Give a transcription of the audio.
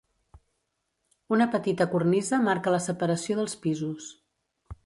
Una petita cornisa marca la separació dels pisos.